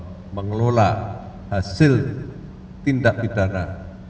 untuk mengelola hasil tindak pidana